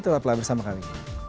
tetaplah bersama kami